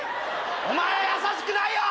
お前優しくないよ！